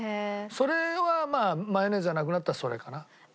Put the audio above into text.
それはまあマヨネーズがなくなったらそれかな。